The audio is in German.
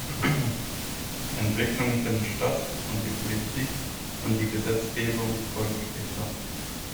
Entwicklungen finden statt und die Politik und die Gesetzgebung folgen später.